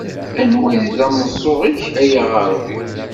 Anwa i d ameẓẓuɣ-ik ay aɣerbi.